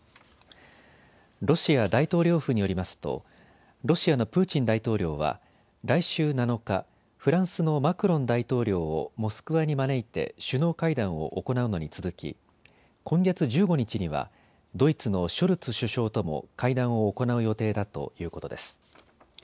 ロシア大統領府によりますとロシアのプーチン大統領は来週７日、フランスのマクロン大統領をモスクワに招いて首脳会談を行うのに続き、今月１５日にはドイツのショルツ首相とも会談を行う予定だということです。